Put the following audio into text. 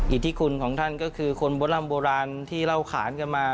อิทธิคุณของท่านก็คือคนโบร่ำโบราณที่เล่าขานกันมา